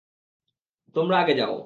তোমরা আগে যাও।